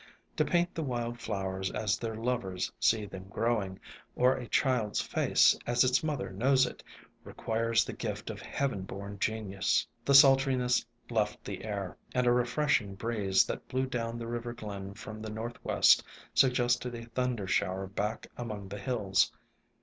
To paint the wild flowers as their lovers see them growing, or a child's face as its mother knows it, requires the gift of heaven born genius. The sultriness left the air, and a refreshing breeze that blew down the river glen from the northwest suggested a thunder shower back among the hills.